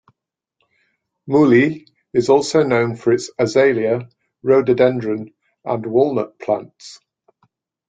Muli is also known for its azalea, rhododendron, and walnut plants.